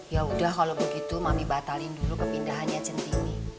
yaudah kalau begitu mami batalin dulu kepindahannya cinti ini